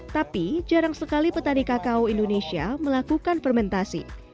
tapi jarang sekali petani kakao indonesia melakukan fermentasi